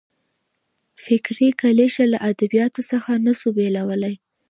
فکري کلیشه له ادبیاتو څخه نه سو بېلولای.